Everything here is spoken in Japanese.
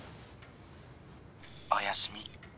おやすみ。